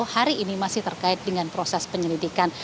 hari ini masih terkait dengan proses penyelidikan